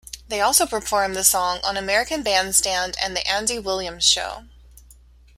They also performed the song on American Bandstand and the Andy Williams Show.